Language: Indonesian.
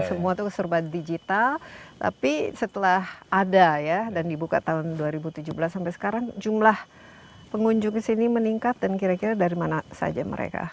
semua itu serba digital tapi setelah ada ya dan dibuka tahun dua ribu tujuh belas sampai sekarang jumlah pengunjung kesini meningkat dan kira kira dari mana saja mereka